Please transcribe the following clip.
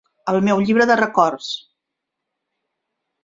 Al meu llibre de records